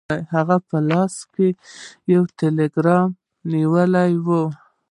هغه په لاس کې یو ټیلګرام نیولی و.